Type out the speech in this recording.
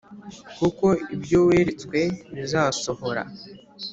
kuko ibyo weretswe bizasohora